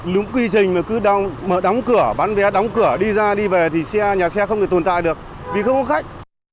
đúng quy trình mà cứ mở đóng cửa bán vé đóng cửa đi ra đi về thì nhà xe không thể tồn tại được vì không có khách